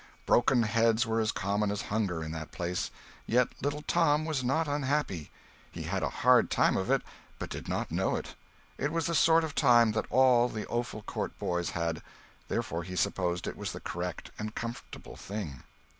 Broken heads were as common as hunger in that place. Yet little Tom was not unhappy. He had a hard time of it, but did not know it. It was the sort of time that all the Offal Court boys had, therefore he supposed it was the correct and comfortable thing.